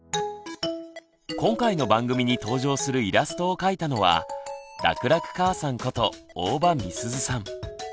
今回の番組に登場するイラストを描いたのは「楽々かあさん」こと大場美鈴さん。